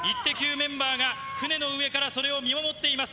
メンバーが船の上からそれを見守っています。